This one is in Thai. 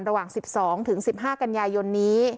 ระหว่าง๑๒ถึง๑๕กันยายนนี้